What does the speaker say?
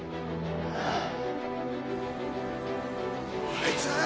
あいつ！